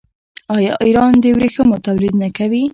آیا ایران د ورېښمو تولید نه کوي؟